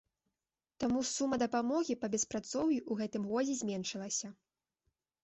Таму сума дапамогі па беспрацоўі ў гэтым годзе зменшылася.